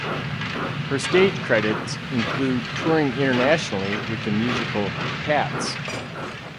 Her stage credits include touring internationally with the musical "Cats".